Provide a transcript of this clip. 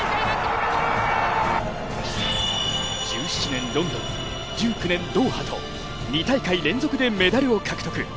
１７年ロンドン、１９年ドーハと２大会連続でメダルを獲得。